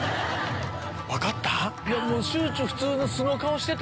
分かった？